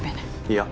いや。